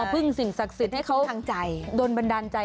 ออกพึ่งสิ่งศักดิ์สิทธิ์ให้เขาโดนบันดาลใจให้เราทั้งใจ